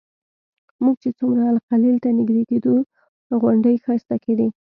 موږ چې څومره الخلیل ته نږدې کېدو غونډۍ ښایسته کېدې.